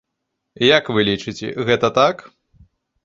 Як вы лічыце, гэта так?